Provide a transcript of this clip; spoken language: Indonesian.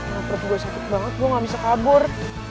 menurut gue sakit banget gue gak bisa kabur